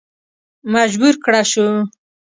مجبور کړه شو.